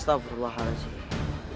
aku harus menolongnya